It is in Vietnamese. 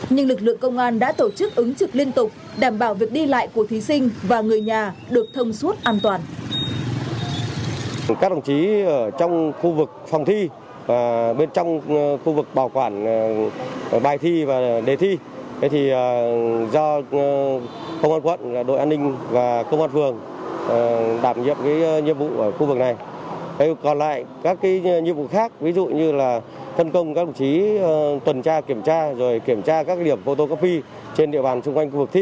nhưng lực lượng công an đã tổ chức ứng trực liên tục đảm bảo việc đi lại của thí sinh và người nhà được thông suốt an toàn